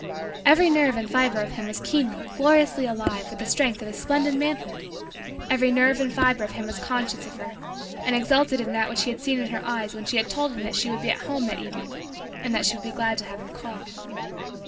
Every nerve and fiber of him was keenly, gloriously, alive with the strength of his splendid manhood. Every nerve and fiber of him was conscious of her and exulted in that which he had seen in her eyes when she had told him that she would be at home that evening and that she would be glad to have him call.